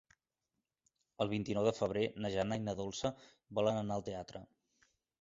El vint-i-nou de febrer na Jana i na Dolça volen anar al teatre.